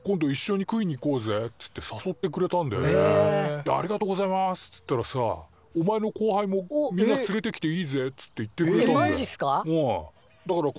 で「ありがとうございます」っつったらさ「おまえのこうはいもみんな連れてきていいぜ」っつって言ってくれたんだよ。